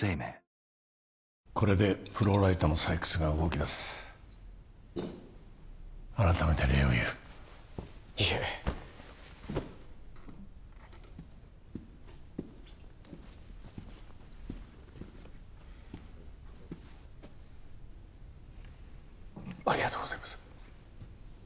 これでフローライトの採掘が動きだす改めて礼を言ういえありがとうございます